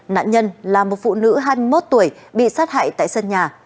nạn nhân là một phụ nữ hai mươi một tuổi bị sát hại tại sân nhà